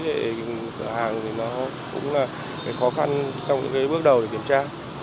để sửa hàng thì nó cũng là khó khăn trong những bước đầu để kiểm tra